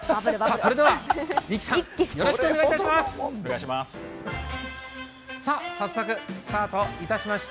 それではＩｋｋｉさんよろしくお願いいたします。